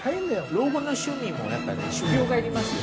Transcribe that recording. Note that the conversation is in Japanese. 老後の趣味もやっぱ修業がいりますよ